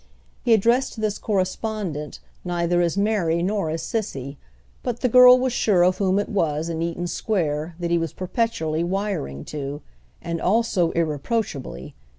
He addressed this correspondent neither as Mary nor as Cissy; but the girl was sure of whom it was, in Eaten Square, that he was perpetually wiring to—and all so irreproachably!